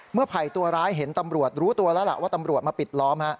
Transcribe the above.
ไผ่ตัวร้ายเห็นตำรวจรู้ตัวแล้วล่ะว่าตำรวจมาปิดล้อม